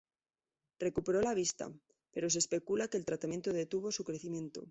Recuperó la vista pero se especula que el tratamiento detuvo su crecimiento.